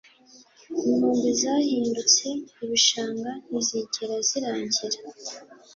inkombe zahindutse ibishanga ntizigera zirangira